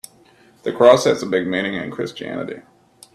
The cross has a big meaning in Christianity.